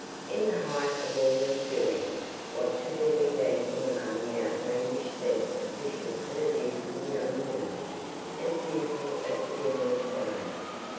In the height of all these doings, what should there be dancing among the outlandish set of fishes but a beautiful young woman as beautiful as the dawn of day!